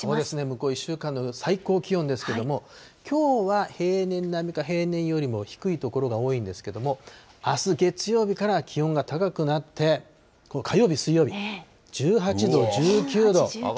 向こう１週間の最高気温ですけども、きょうは平年並みか平年よりも低い所が多いんですけども、あす月曜日からは気温が高くなって、火曜日、水曜日、１８度、１９度。